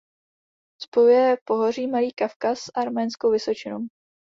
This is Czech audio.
Spojuje pohoří Malý Kavkaz s Arménskou vysočinou.